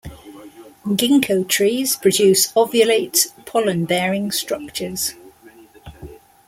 "Ginkgo" trees produce ovulate, pollen-bearing structures.